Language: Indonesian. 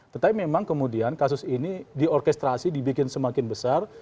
tetapi memang kemudian kasus ini diorkestrasi dibikin semakin besar